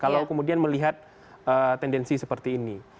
kalau kemudian melihat tendensi seperti ini